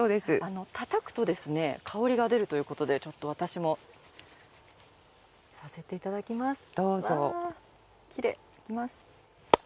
たたくと香りが出るということで私もさせていただきます。